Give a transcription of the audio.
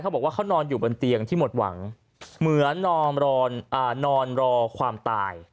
บอกว่าเขานอนอยู่บนเตียงที่หมดหวังเหมือนนอนรอความตาย